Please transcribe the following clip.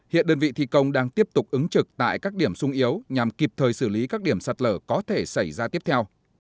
hiện đơn vị thi công đang tiếp tục ứng trực tại các điểm sung yếu nhằm kịp thời xử lý các điểm sạt lở có thể xảy ra tiếp theo